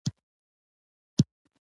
ځورول د میني لومړنۍ غذا ده.